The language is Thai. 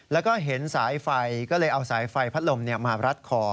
แล้วก็เห็นสายไฟก็เลยเอาสายไฟพัดลมมารัดคอ